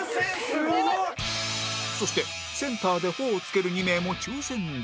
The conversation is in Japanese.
そしてセンターで頬をつける２名も抽選で